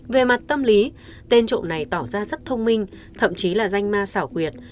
về mặt tâm lý tên trộm này tỏ ra rất thông minh thậm chí là danh ma xảo quyệt